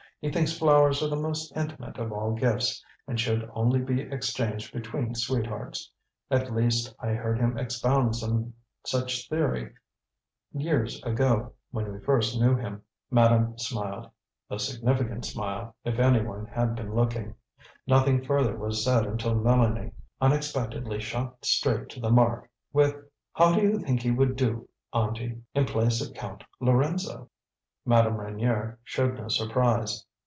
He thinks flowers are the most intimate of all gifts, and should only be exchanged between sweethearts. At least, I heard him expound some such theory years ago, when we first knew him." Madame smiled a significant smile, if any one had been looking. Nothing further was said until Mélanie unexpectedly shot straight to the mark with: "How do you think he would do, Auntie, in place of Count Lorenzo?" Madame Reynier showed no surprise.